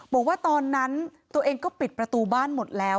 บอกว่าตอนนั้นตัวเองก็ปิดประตูบ้านหมดแล้ว